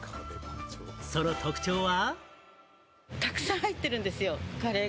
その特徴は。